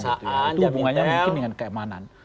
itu hubungannya mungkin dengan keamanan